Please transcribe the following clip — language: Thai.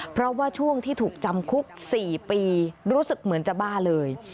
เพราะว่าช่วงที่ถูกจำคุก๔ปีรู้สึกเหมือนจะบ้าเลย